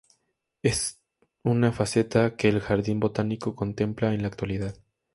Es una faceta que el jardín botánico contempla en la actualidad.